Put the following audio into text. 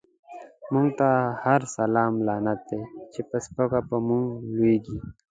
موږ ته هر سلام لعنت دی، چی په سپکه په موږ لويږی